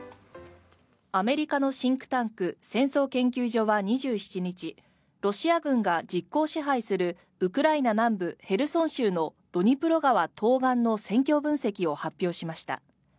アメリカのシンクタンク戦争研究所は２７日ロシア軍が実効支配するウクライナ南部ヘルソン州のドニプロ川東岸の戦況分析を発表しました。